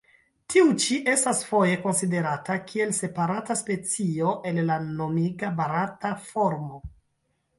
Tiu ĉi estas foje konsiderata kiel separata specio el la nomiga barata formo.